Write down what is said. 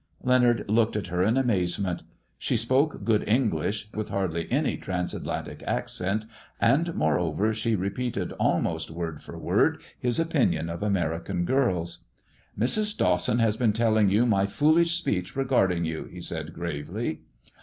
Leonard looked at her in amazement. She spoke good Elnglish, with hardly any Transatlantic accent, and, more >ver, she repeated almost word for word his opinion of ^jnerican girls. "Mrs. Dawson has been telling you my foolish speech regarding you," he said, gravely.